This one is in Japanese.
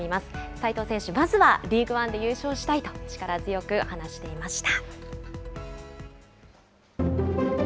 齋藤選手、まずはリーグワンで優勝したいと力強く話していました。